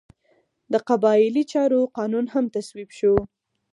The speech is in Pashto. د قبایلي چارو قانون هم تصویب شو.